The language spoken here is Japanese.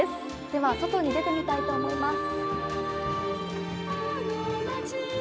では、外に出てみたいと思います。